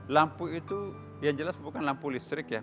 lampu itu yang jelas bukan lampu listrik ya